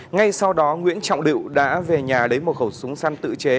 ngay sau đó nguyễn trọng đự đã về nhà lấy một khẩu súng săn tự chế